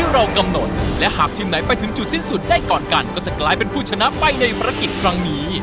รายการก็จะกลายเป็นผู้ชนะไปในภารกิจครั้งนี้